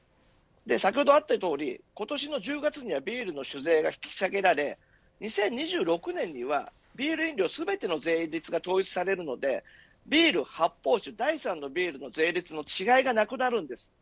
先ほどあったとおり今年の１０月にはビールの酒税が引き下げられ２０２６年にはビール飲料全ての税率が統一されるのでビール、発泡酒、第３のビールの税率の違いがなくなるんですね。